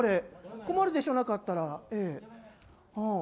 困るでしょ、なかったら。